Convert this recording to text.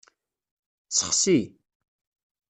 Sexsi.